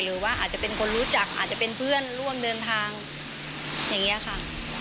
หรือว่าอาจจะเป็นคนรู้จักอาจจะเป็นเพื่อนร่วมเดินทางอย่างนี้ค่ะ